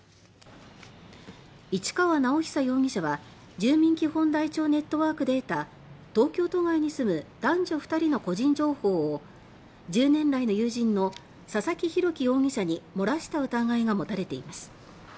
市川直央容疑者は住民基本台帳ネットワークで得た東京都外に住む男女２人の個人情報を１０年来の友人の佐々木洋樹容疑者に漏らした疑いがもたれています。